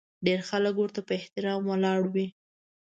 ډېر خلک ورته په احترام ولاړ وي.